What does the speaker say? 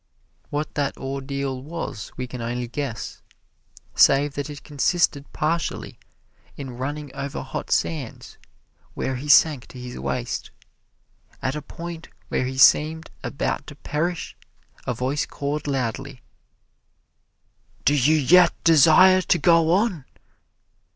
What that ordeal was we can only guess, save that it consisted partially in running over hot sands where he sank to his waist. At a point where he seemed about to perish a voice called loudly, "Do you yet desire to go on?"